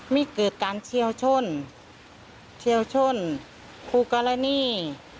มีเกิดการเชี่ยวชนเชี่ยวชนครูกรณี